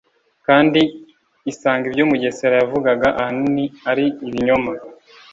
kandi isanga ibyo Mugesera yavugaga ahanini ari ibinyoma